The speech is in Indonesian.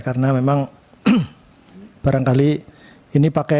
karena memang barangkali ini pakai